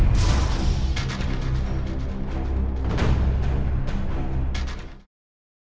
ก็จะสนับสนุนให้เขาหรือเปล่า